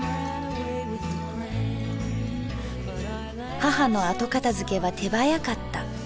「母のあとかたづけは手早かった。